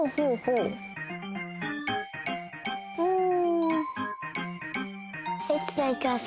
うん。